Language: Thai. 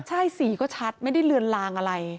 ใช่สีก็ชัดไม่ได้เลือนลางอะไร